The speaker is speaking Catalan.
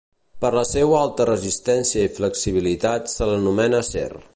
Per la seua alta resistència i flexibilitat se l'anomena acer